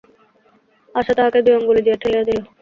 আশা তাহাকে দুই অঙ্গুলি দিয়া ঠেলিয়া দিল।